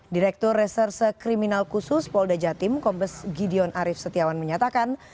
direktur reserse kriminal khusus polda jatim kombes gideon arief setiawan menyatakan